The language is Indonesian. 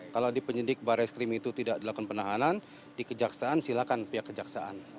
kalau di penyidik barreskrim itu tidak dilakukan penahanan di kejaksaan silakan pihak kejaksaan